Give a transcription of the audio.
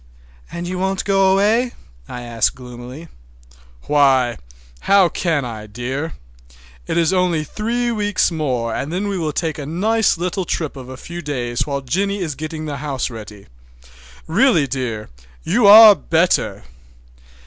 "And you won't go away?" I asked gloomily. "Why, how can I, dear? It is only three weeks more and then we will take a nice little trip of a few days while Jennie is getting the house ready. Really, dear, you are better!"